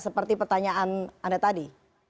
seperti pertanyaan anda tadi